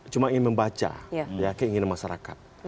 cuma ingin membaca keinginan masyarakat